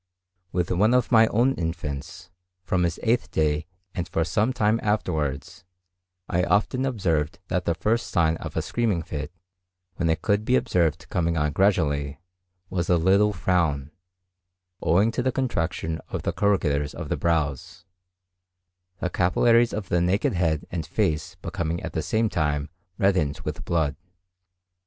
With one of my own infants, from his eighth day and for some time afterwards, I often observed that the first sign of a screaming fit, when it could be observed coming on gradually, was a little frown, owing to the contraction of the corrugators of the brows; the capillaries of the naked head and face becoming at the same time reddened with blood.